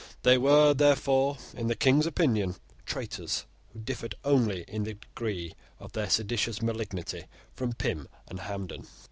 They were, therefore, in the King's opinion, traitors, who differed only in the degree of their seditious malignity from Pym and Hampden.